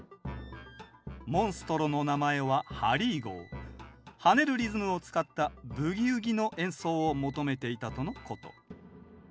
モンストロの名前は跳ねるリズムを使った「ブギウギ」の演奏を求めていたとのこと。